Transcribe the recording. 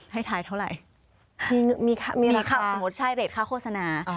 ให้ถ่ายเท่าไหร่มีค่ะมีค่ะสมมติใช่เรทค่าโฆษณา